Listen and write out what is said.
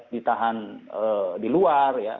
ditahan di luar ya